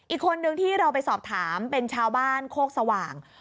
อีกคนนึงที่เราไปสอบถามเป็นชาวบ้านโคกสว่าง